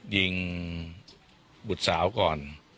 ยิงบุตรสาวก่อน